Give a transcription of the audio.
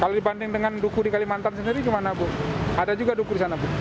kalau dibanding dengan duku di kalimantan sendiri gimana bu ada juga duku di sana bu